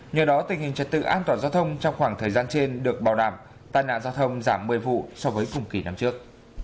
nhờ đó tình hình trật tự an toàn giao thông trong khoảng thời gian trên được bảo đảm tai nạn giao thông giảm một mươi vụ so với cùng kỳ năm trước